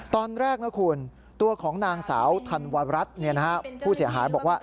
ตอนแรกนะคุณตัวของนางสาวธันวรัฐผู้เสียหายบอกว่า